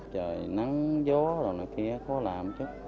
trời nắng gió đồ này kia khó làm chứ